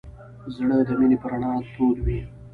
زړه د مینې په رڼا تود وي.